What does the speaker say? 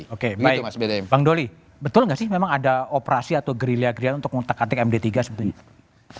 oke baik bang doli betul nggak sih memang ada operasi atau gerilya geril untuk mengutak atik md tiga sebetulnya